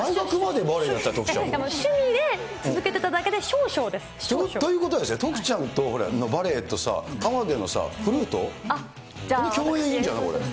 でも趣味で続けただけで、少々です。ということはですよ、徳ちゃんのバレエとさ、河出のフルート、共演いいんじゃない？